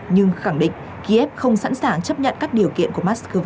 nhưng khẳng định kiev không sẵn sàng chấp nhận các điều kiện của moscow